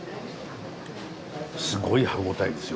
すごい歯応えですよ